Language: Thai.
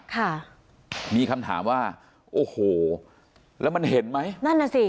ค่ะมีคำถามว่าโอ้โหแล้วมันเห็นไหมนั่นน่ะสิ